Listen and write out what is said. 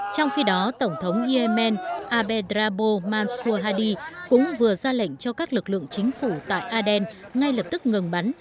trong khi đó tổng thống yemen abdrabbuh mansour hadi cũng vừa ra lệnh cho các lực lượng chính phủ tại aden ngay lập tức ngừng bắn